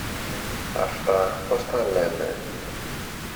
αυτά, πώς τα λένε.